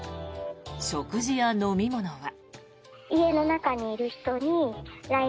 食事や飲み物は。